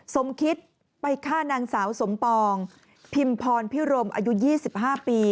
สมคิตไปฆ่านางสาวสมปองพิมพรพิรมอายุ๒๕ปี